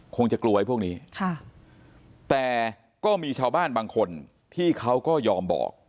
คงจะกลัวไอ้พวกนี้ค่ะแต่ก็มีชาวบ้านบางคนที่เขาก็ยอมบอก